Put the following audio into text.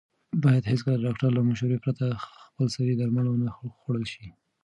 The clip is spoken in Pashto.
باید هېڅکله د ډاکټر له مشورې پرته خپلسري درمل ونه خوړل شي.